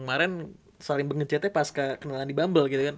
kemarin saling bencetnya pas ke kendaraan di bumble gitu kan